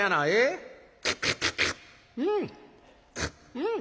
うん！